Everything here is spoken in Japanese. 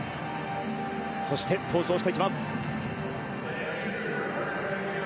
そして、登場してきます。